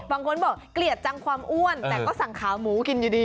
บางคนบอกเกลียดจังความอ้วนแต่ก็สั่งขาหมูกินอยู่ดี